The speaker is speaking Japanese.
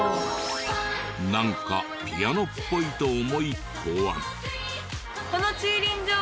なんかピアノっぽいと思い考案。